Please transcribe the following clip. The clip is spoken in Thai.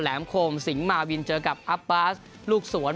โคมสิงหมาวินเจอกับอับบาสลูกสวน